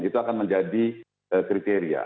itu akan menjadi kriteria